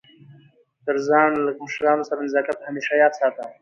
تر ځان له مشرانو سره نزاکت همېشه یاد ساته!